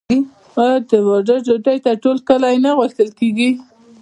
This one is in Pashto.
آیا د واده ډوډۍ ته ټول کلی نه راغوښتل کیږي؟